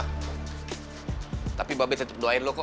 hai tapi babi tetep doain lo kok